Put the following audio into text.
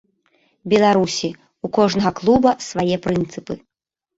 Беларусі, у кожнага клуба свае прынцыпы.